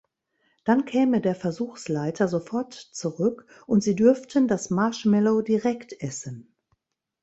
Dann käme der Versuchsleiter sofort zurück und sie dürften das Marshmallow direkt essen.